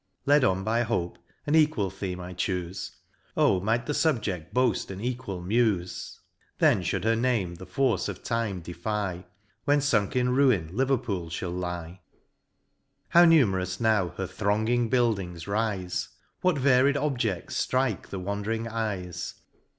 Led on by Hope an equal theme I choofe :— O might the fubjed; boaft an equal Mufe ! Then fliould her name the force of time dcfy,^ When funk in ruin Liverpool fhall lie. How numerous now her thronginof buildings rife ? what varied objedls ftrike the wandering eyes